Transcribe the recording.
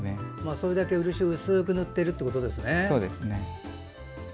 それだけ漆を薄く塗っているということですね。